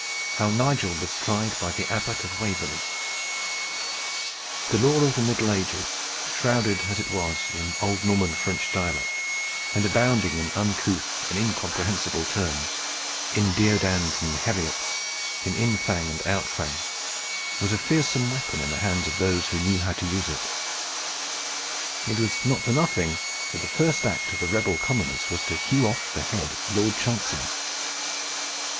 V. HOW NIGEL WAS TRIED BY THE ABBOT OF WAVERLEY The law of the Middle Ages, shrouded as it was in old Norman French dialect, and abounding in uncouth and incomprehensible terms, in deodands and heriots, in infang and outfang, was a fearsome weapon in the hands of those who knew how to use it. It was not for nothing that the first act of the rebel commoners was to hew off the head of the Lord Chancellor.